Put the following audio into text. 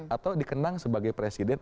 atau dikenang sebagai presiden